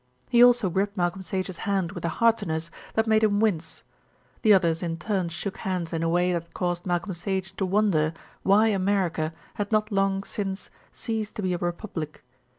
He also gripped Malcolm Sage's hand with a heartiness that made him wince. The others in turn shook hands in a way that caused Malcolm Sage to wonder why America had not long since ceased to be a Republic.